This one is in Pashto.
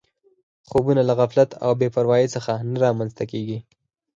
خوبونه له غفلت او بې پروایۍ څخه نه رامنځته کېږي